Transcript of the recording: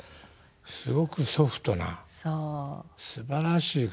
すごくソフトなすばらしい方でしたね。